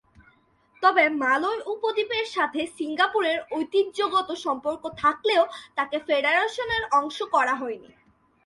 তবে মালয় উপদ্বীপের সাথে সিঙ্গাপুরের ঐতিহ্যগত সম্পর্ক থাকলেও তাকে ফেডারেশনের অংশ করা হয়নি।